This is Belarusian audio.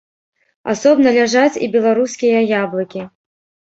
Асобна ляжаць і беларускія яблыкі.